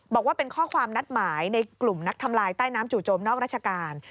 บอกว่าเป็นข้อความนัดหมายในกลุ่มนักทำลายใต้น้ำจู่โจมนอกราชการ